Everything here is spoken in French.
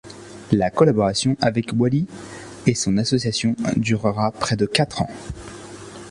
La collaboration avec Ouali et son association durera près de quatre ans.